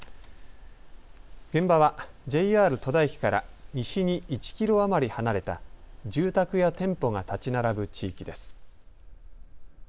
現場はＪＲ戸田駅から西に１キロ余り離れた住宅や店舗が建ち並ぶ地域です。